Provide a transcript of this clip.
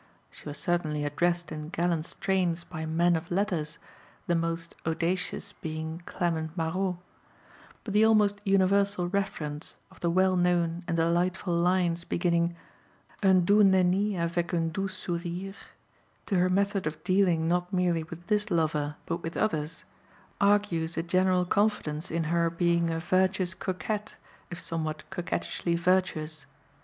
She was certainly addressed in gallant strains by men of letters, the most audacious being Clement Marot; but the almost universal reference of the well known and delightful lines beginning "Un doux nenny avec un doux sourire," to her method of dealing not merely with this lover but with others, argues a general confidence in her being a virtuous coquette, if somewhat coquettishly virtuous.